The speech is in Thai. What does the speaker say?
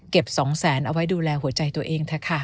เก็บ๒๐๐๐๐๐เอาไว้ดูแลหัวใจตัวเอง